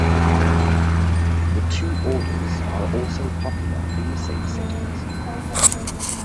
The two orders are also popular in the same settings.